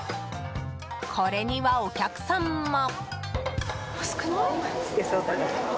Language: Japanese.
これにはお客さんも。